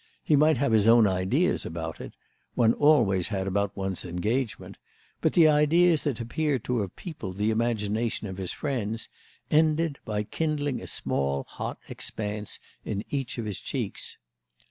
He might have his own ideas about it—one always had about one's engagement; but the ideas that appeared to have peopled the imagination of his friends ended by kindling a small hot expanse in each of his cheeks.